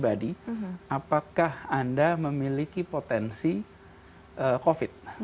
apakah anda memiliki potensi covid